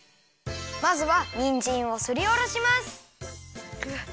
まずはにんじんをすりおろします。